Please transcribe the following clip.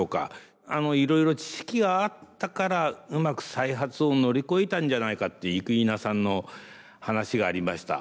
いろいろ知識があったからうまく再発を乗り越えたんじゃないかって生稲さんの話がありました。